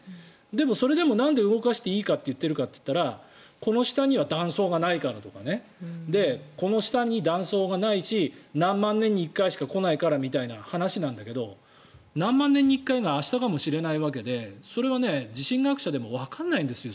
でもそれでもなんで動かしていいと言っているかといったらこの下には断層がないからとかこの下に断層がないし何万年に１回しか来ないからみたいな話なんだけど何万年に１回が明日かもしれないわけでそれは地震学者でもわからないんですよ